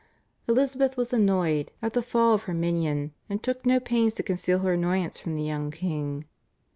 Elizabeth was annoyed at the fall of her minion, and took no pains to conceal her annoyance from the young king.